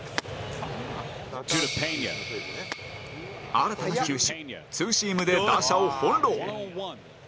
新たな球種ツーシームで打者を翻弄